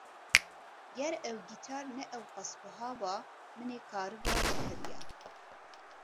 Ger ew gîtar ne ew qas buha ba, min ê karîba bikiriya.